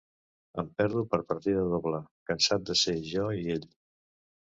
Em perdo per partida doble, cansat de ser jo i ell.